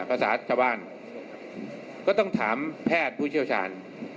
ภาษาชาวบ้านก็ต้องถามแพทย์ผู้เชี่ยวชาญ